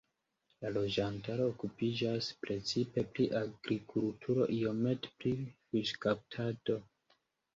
La loĝantaro okupiĝas precipe pri agrikulturo, iomete pri fiŝkaptado.